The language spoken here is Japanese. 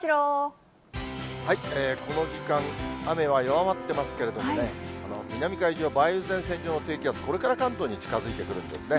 この時間、雨は弱まってますけれどもね、南海上、梅雨前線上の低気圧、これから関東に近づいてくるんですね。